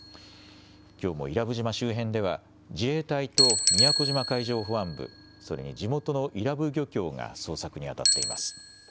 きょうも伊良部島周辺では、自衛隊と宮古島海上保安部、それに地元の伊良部漁協が捜索に当たっています。